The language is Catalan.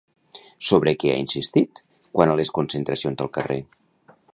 Sobre què ha insistit quant a les concentracions al carrer?